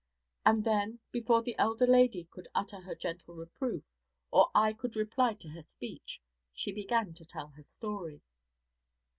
And then, before the elder lady could utter her gentle reproof or I could reply to her speech, she began to tell her story.